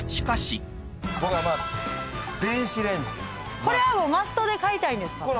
これはもうマストで買いたいんですか？